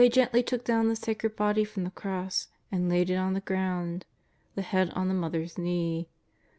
367 gently took down the sacred Body from the cross and laid it on the ground, the head on the Mother's knee.